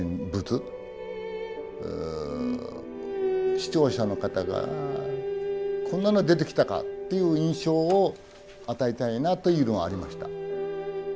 視聴者の方がこんなのが出てきたかっていう印象を与えたいなというのはありました。